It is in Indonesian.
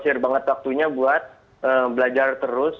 share banget waktunya buat belajar terus